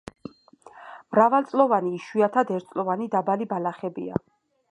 მრავალწლოვანი, იშვიათად ერთწლოვანი დაბალი ბალახებია.